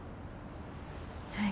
はい。